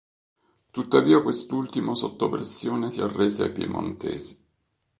Tuttavia quest'ultimo sotto pressione si arrese ai piemontesi.